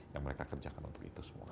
yang mereka kerjakan untuk itu semua